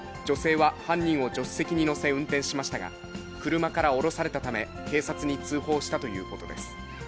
女性は犯人を助手席に乗せ運転しましたが、車から降ろされたため、警察に通報したということです。